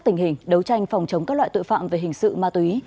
tình hình đấu tranh phòng chống các loại tội phạm về hình sự ma túy